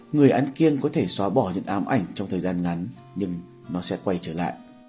người ăn kiêng có thể xóa bỏ những ám ảnh trong thời gian ngắn nhưng nó sẽ quay trở lại